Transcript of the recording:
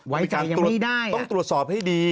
ไว้ใจยังไม่ได้ต้องตรวจสอบให้ดี